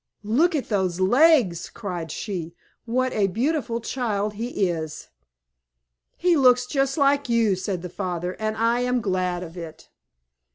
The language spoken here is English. "Look at those legs," cried she. "What a beautiful child he is!" "He looks just like you," said the father, "and I am glad of it."